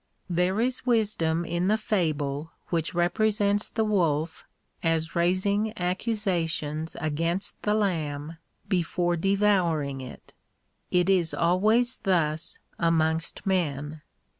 There is wisdom in the fable which represents the wolf as raising accusations against the lamb before devouring it. It is always thus amongst men.